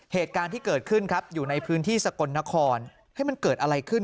เหตุการณ์ที่เกิดขึ้นครับอยู่ในพื้นที่สกลนครให้มันเกิดอะไรขึ้น